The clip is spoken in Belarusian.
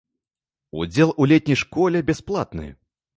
Удзел у летняй школе бясплатны.